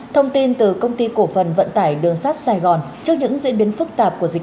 thông tin từ công ty cổ phần vận tải đường sắt sài gòn trước những diễn biến phức tạp của dịch